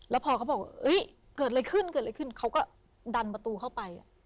แล้วพอเขาบอกเกิดอะไรขึ้นเกิดอะไรขึ้นเขาก็ดันประตูเข้าไป